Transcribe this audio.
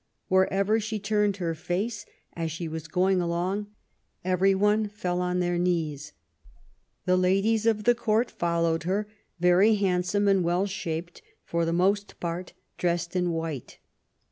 Wherever she turned her face, as she was going along, every one fell on their knees. The ladies of the Court followed her, very handsome and well shaped, for the most part dressed in white.